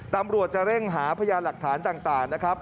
ตำรวจจะเร่งหาพยานหลักฐานต่างนะครับ